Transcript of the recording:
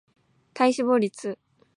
体脂肪率